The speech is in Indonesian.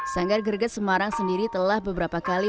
sanggar greget semarang sendiri telah beberapa kali